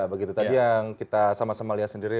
begitu tadi yang kita sama sama lihat sendiri